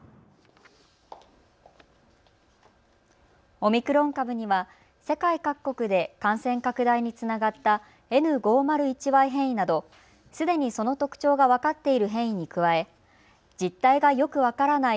オミクロン株には世界各国で感染拡大につながったＮ５０１Ｙ変異などすでにその特徴が分かっている変異に加え実態がよく分からない